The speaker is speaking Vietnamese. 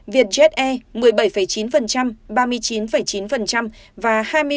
việt jet air một mươi bảy chín ba mươi chín chín và hai mươi bảy